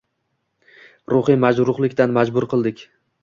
ruhiy majruhlikka majbur qildik.